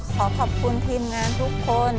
ขอขอบคุณทีมงานทุกคน